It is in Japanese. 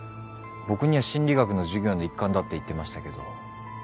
僕には心理学の授業の一環だって言ってましたけど。